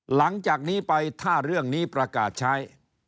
หลังจากนี้ไปถ้าเรื่องนี้ประกาศใช้